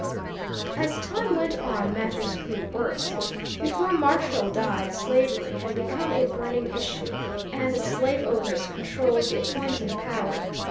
As time went on matters grew worse. Before Marshall died slavery had become a burning issue, and the slave owners controlled the appointing power.